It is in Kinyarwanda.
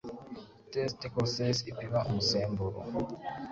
test de grossesse ipima umusemburo